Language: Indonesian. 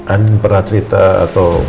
andin pernah cerita atau